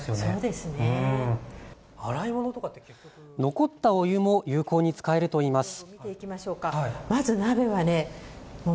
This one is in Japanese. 残ったお湯も有効に使えるといいます。